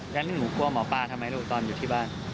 แล้วนี่หนูกลัวหมอปลาทำไมลูกตอนอยู่ที่บ้าน